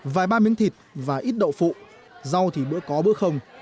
vài ba miếng thịt và ít đậu phụ rau thì bữa có bữa không